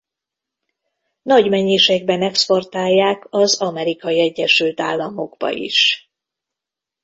Nagy mennyiségben exportálják az Amerikai Egyesült Államokba is.